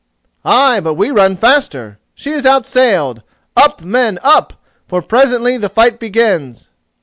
"Ay, but we run faster—she is outsailed. Up, men, up: for presently the fight begins."